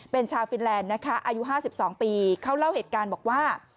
เป็นชาวฟินแลนด์นะคะอายุ๕๒ปีเขาเล่าเหตุการณ์บอกว่า